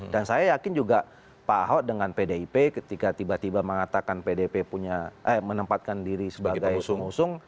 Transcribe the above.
dan saya yakin juga pak ahok dengan pdip ketika tiba tiba mengatakan pdip menempatkan diri sebagai pengusung